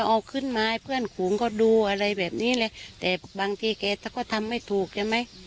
เอาขึ้นมาให้เพื่อนฝูงก็ดูอะไรแบบนี้เลยแต่บางทีแกก็ทำไม่ถูกใช่ไหม